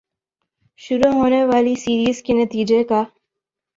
شروع ہونے والی سیریز کے نتیجے کا